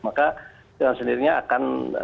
maka dengan sendirinya akan